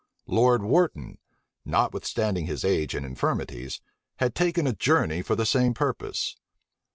Lord Wharton, notwithstanding his age and infirmities, had taken a journey for the same purpose.